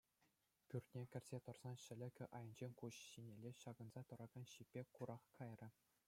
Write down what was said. Пӳртне кӗрсе тӑрсан ҫӗлӗкӗ айӗнчен куҫ ҫинелле ҫакӑнса тӑракан ҫиппе курах кайрӗ.